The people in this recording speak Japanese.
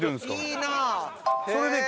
いいなあ！